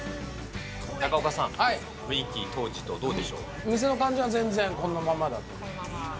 中岡さん、雰囲気、当時とどうで店の感じは全然、このままだと思います。